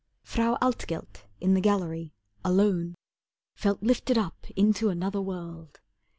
Frau Altgelt in the gallery, alone, Felt lifted up into another world.